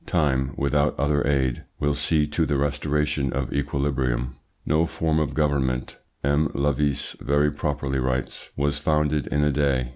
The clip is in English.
Time, without other aid, will see to the restoration of equilibrium. "No form of government," M. Lavisse very properly writes, "was founded in a day.